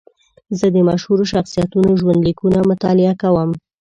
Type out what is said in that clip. زه د مشهورو شخصیتونو ژوند لیکونه مطالعه کوم.